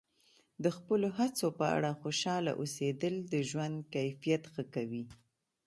د خپلو هڅو په اړه خوشحاله اوسیدل د ژوند کیفیت ښه کوي.